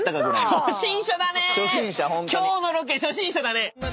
今日のロケ初心者だね。